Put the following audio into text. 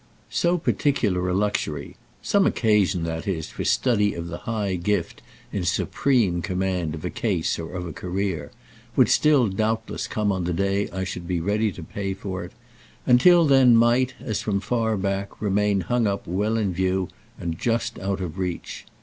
So particular a luxury—some occasion, that is, for study of the high gift in supreme command of a case or of a career—would still doubtless come on the day I should be ready to pay for it; and till then might, as from far back, remain hung up well in view and just out of reach.